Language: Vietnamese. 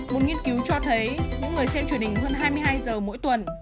một nghiên cứu cho thấy những người xem truyền hình hơn hai mươi hai giờ mỗi tuần